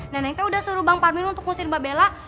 neneng saya udah suruh bang parmin untuk ngusir mbak bella